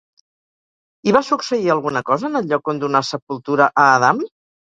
Hi va succeir alguna cosa en el lloc on donà sepultura a Adam?